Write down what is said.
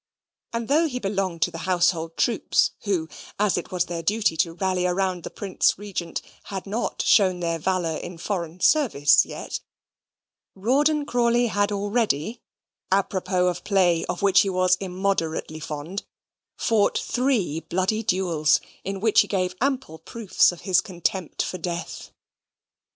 And though he belonged to the household troops, who, as it was their duty to rally round the Prince Regent, had not shown their valour in foreign service yet, Rawdon Crawley had already (apropos of play, of which he was immoderately fond) fought three bloody duels, in which he gave ample proofs of his contempt for death.